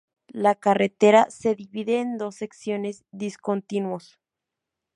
La carretera se divide en dos secciones discontinuos.